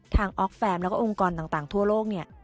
ออกแฟมแล้วก็องค์กรต่างทั่วโลกเนี่ย